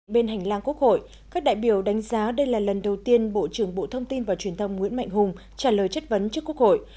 bên hành lang quốc hội các đại biểu đánh giá đây là lần đầu tiên bộ trưởng bộ thông tin và truyền thông nguyễn mạnh hùng trả lời chất vấn trước quốc hội